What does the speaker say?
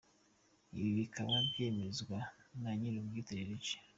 Ibi bikaba byemezwa na nyiri ubwite Lil G.